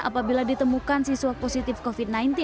apabila ditemukan siswa positif covid sembilan belas